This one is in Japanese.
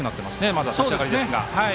まだ立ち上がりですが。